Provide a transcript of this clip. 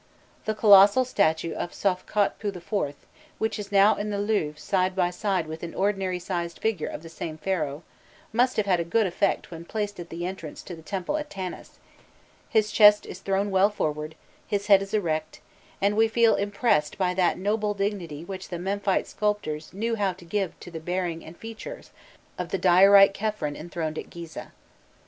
The colossal statue of Sovkhotpû IV., which is now in the Louvre side by side with an ordinary sized figure of the same Pharaoh, must have had a good effect when placed at the entrance to the temple at Tanis: his chest is thrown well forward, his head is erect, and we feel impressed by that noble dignity which the Memphite sculptors knew how to give to the bearing and features of the diorite Khephren enthroned at Gîzeh.